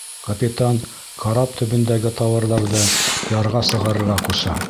Капитан карап төбөндәге тауарҙарҙы ярға сығарырға ҡуша.